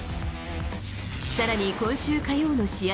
さらに今週火曜の試合